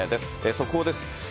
速報です。